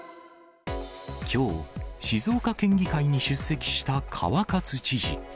きょう、静岡県議会に出席した川勝知事。